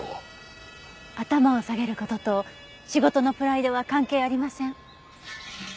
頭を下げる事と仕事のプライドは関係ありません。